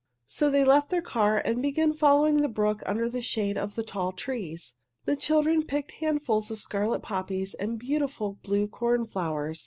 So they left their car and began following the brook under the shade of the tall trees. The children picked handfuls of scarlet poppies and beautiful blue cornflowers.